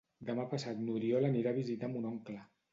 Demà passat n'Oriol anirà a visitar mon oncle.